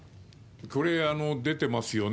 これ、出てますよね。